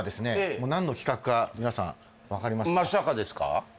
もう何の企画か皆さん分かりますか？